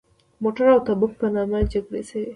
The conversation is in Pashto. موته او تبوک په نامه جګړې شوي.